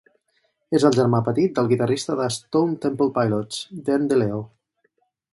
És el germà petit del guitarrista de Stone Temple Pilots, Dean DeLeo.